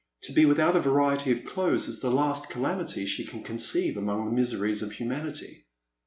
To be without a variety of clothes is the last calamity she can conceive among the miseries of humanity.